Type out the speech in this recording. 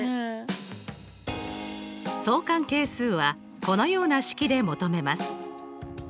相関係数はこのような式で求めます。